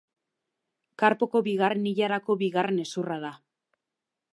Karpoko bigarren ilarako bigarren hezurra da.